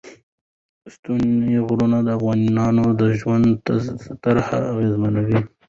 ستوني غرونه د افغانانو د ژوند طرز اغېزمنوي.